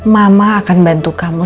mama akan bantu kamu